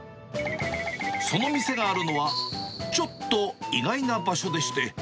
その店があるのは、ちょっと意外な場所でして。